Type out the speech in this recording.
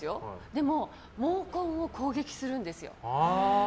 でも毛根を攻撃するんですよ。